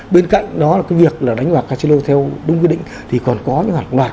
bên cạnh đó là cái việc là đánh hoạt casino theo đúng quyết định thì còn có những loạt